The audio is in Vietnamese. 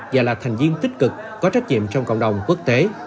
và là thành viên tích cực có trách nhiệm trong cộng đồng quốc tế